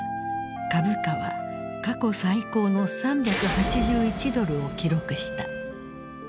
株価は過去最高の３８１ドルを記録した。